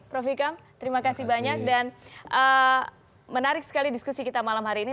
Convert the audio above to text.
prof ikam terima kasih banyak dan menarik sekali diskusi kita malam hari ini